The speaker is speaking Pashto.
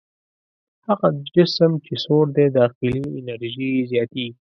هغه جسم چې سوړ دی داخلي انرژي یې زیاتیږي.